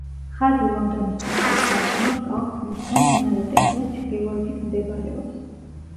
ხაზი ლონდონის ცენტრის გარშემო რკალს ქმნის და მდინარე ტემზას ჩრდილოეთით მდებარეობს.